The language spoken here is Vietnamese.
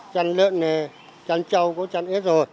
chăn lợn chăn trâu cũng chăn ít rồi